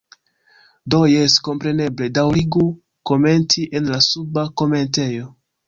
Do jes, kompreneble, daŭrigu komenti en la suba komentejo.